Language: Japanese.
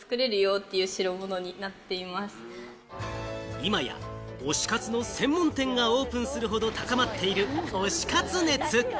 今や推し活の専門店がオープンするほど高まっている推し活熱。